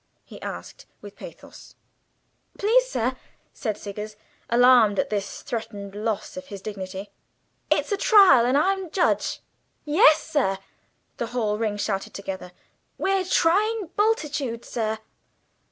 he asked with pathos. "Please, sir," said Siggers, alarmed at the threatened loss of his dignity, "it's a trial, and I'm judge." "Yes, sir," the whole ring shouted together. "We're trying Bultitude, sir."